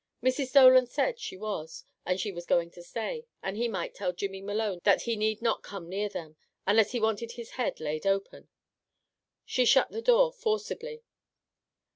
Mrs. Dolan said she was, and she was going to stay, and he might tell Jimmy Malone that he need not come near them, unless he wanted his head laid open. She shut the door forcibly.